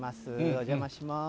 お邪魔します。